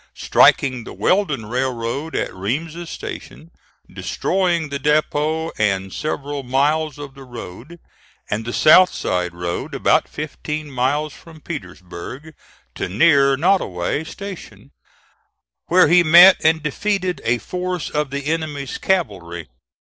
Striking the Weldon Railroad at Reams's Station, destroying the depot and several miles of the road, and the South Side road about fifteen miles from Petersburg, to near Nottoway Station, where he met and defeated a force of the enemy's cavalry.